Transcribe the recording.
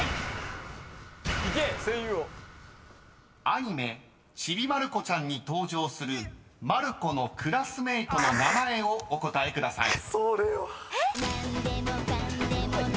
［アニメ『ちびまる子ちゃん』に登場するまる子のクラスメートの名前をお答えください］